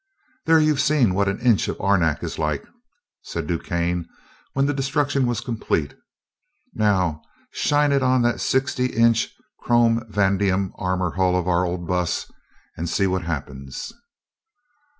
"There, you've seen what an inch of arenak is like," said DuQuesne when the destruction was complete. "Now shine it on that sixty inch chrome vanadium armor hull of our old bus and see what happens."